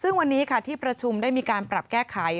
ซึ่งวันนี้ค่ะที่ประชุมได้มีการปรับแก้ไข